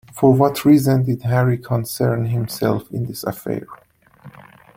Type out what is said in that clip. For what reason did Harry concern himself in this affair?